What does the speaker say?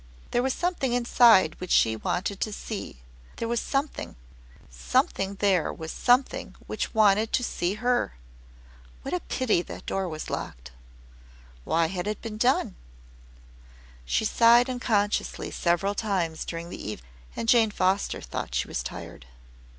There was something inside which she wanted to see there was something somehow there was something which wanted to see her. What a pity that the door was locked! Why had it been done? She sighed unconsciously several times during the evening, and Jane Foster thought she was tired.